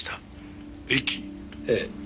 ええ。